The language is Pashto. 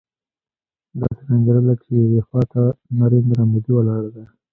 داسې مې انګېرله چې يوې خوا ته نریندرا مودي ولاړ دی.